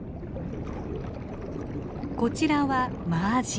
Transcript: こちらはマアジ。